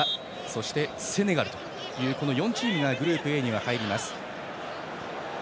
そしてセネガルという４チームがグループＡには入ります。